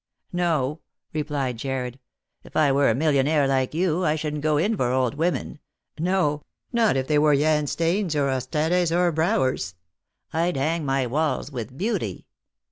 " No," replied Jarred ;" if I were a millionaire like you, I shouldn't go in for old women — no, not if they were Jan Steens, or Ostades, or Brauwers. I'd hang my walls with beauty.